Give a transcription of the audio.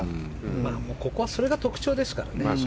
ここはそれが特徴ですからね。